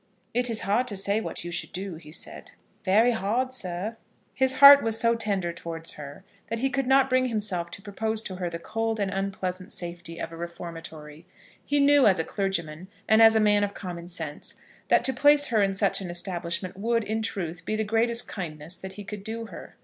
"It is hard to say what you should do," he said. "Very hard, sir." His heart was so tender towards her that he could not bring himself to propose to her the cold and unpleasant safety of a Reformatory. He knew, as a clergyman and as a man of common sense, that to place her in such an establishment would, in truth, be the greatest kindness that he could do her.